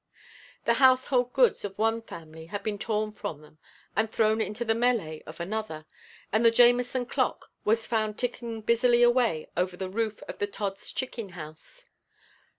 The household goods of one family had been torn from them and thrown into the melee of another, and the Jamison clock was found ticking busily away over on the roof of the Todd's chicken house.